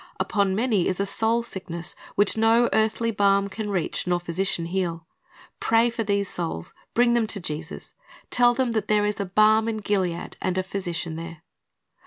Upon many is a soul sickness which no earthly balm can reach nor physician heal. Pray for these souls, bring them to Jesus. Tell them that there is a balm in Gilead and a Physician there.